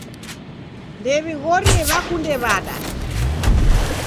Ndew'ighorie w'akunde w'ada.